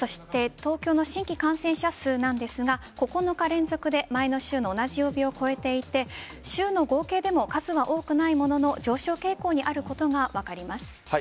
東京の新規感染者数なんですが９日連続で前の週の同じ曜日を超えていて週の合計でも数は多くないものの上昇傾向にあることが分かります。